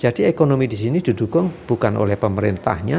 jadi ekonomi di sini didukung bukan oleh pemerintahnya